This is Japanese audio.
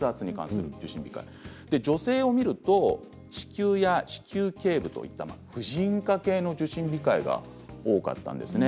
女性を見ると子宮や子宮けい部といった婦人科系の受診控えが多かったんですね。